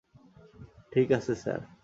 ঠিক আছে স্যার।